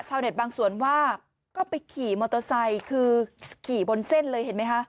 บางส่วนว่าก็ไปขี่มอเตอร์ไซค์คือขี่บนเส้นเลยเห็นไหมคะ